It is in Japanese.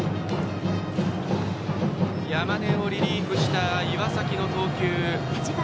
山根をリリーフした岩崎の投球。